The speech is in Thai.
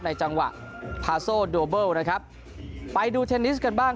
ในจังหวะนะครับไปดูเทนนิสกันบ้าง